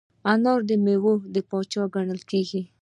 انار د میوو پاچا ګڼل کېږي.